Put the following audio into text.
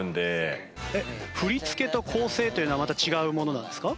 振り付けと構成というのはまた違うものなんですか？